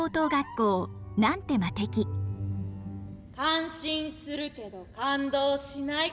感心するけど感動しない。